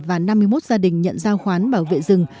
và năm mươi một gia đình nhận giao khoán bảo vệ rừng